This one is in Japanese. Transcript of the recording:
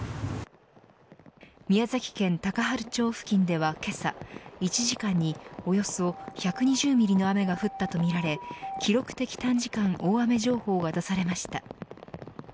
宮崎県高原町付近ではけさ１時間に、およそ１２０ミリの雨が降ったとみられ記録的短時間大雨情報が出されました。